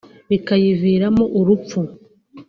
bikayiviramo urupfu